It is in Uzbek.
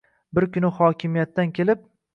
Bir kuni hokimiyatdan kelib